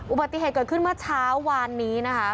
อุบัติเหตุเกิดขึ้นเมื่อเช้าวานนี้นะคะ